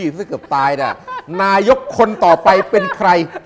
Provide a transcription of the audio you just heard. ไหนยกคนต่อไปเป็นใคร